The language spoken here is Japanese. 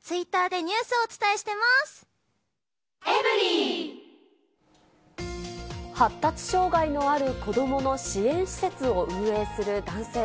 新「ＥＬＩＸＩＲ」発達障がいのある子どもの支援施設を運営する男性。